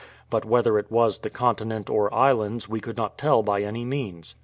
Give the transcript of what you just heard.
but whether it was the continent or islands we could not tell by any means.